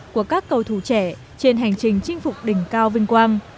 của các cầu thủ trẻ trên hành trình chinh phục đỉnh cao vinh quang